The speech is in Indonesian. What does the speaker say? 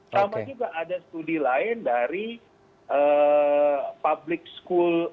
sama juga ada studi lain dari public school